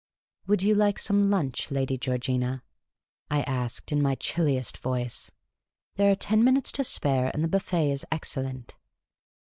" Would you like some lunch, Lady Georgina ?" I asked, in my chilliest voice. " There are ten minutes to spare, and the buffet is excellent."